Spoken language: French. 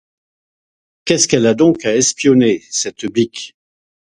Qu'est-ce qu'elle a donc à espionner, cette bique ?